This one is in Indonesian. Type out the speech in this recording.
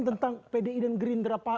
tentang pdi dan gerindra